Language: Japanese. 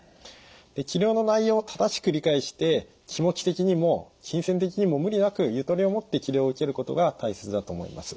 治療の内容を正しく理解して気持ち的にも金銭的にも無理なくゆとりを持って治療を受けることが大切だと思います。